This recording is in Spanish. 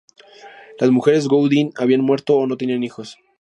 Las mujeres Godwin habían muerto o no tenían hijos.